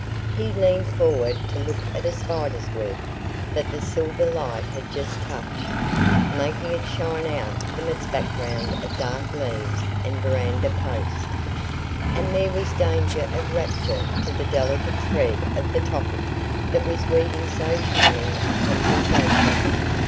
He leaned forward to look at a spider's web that the silver light had just touched, making it shine out from its background of dark leaves and verandah post; and there was danger of rupture to the delicate thread of the topic that was weaving so charming a conversation.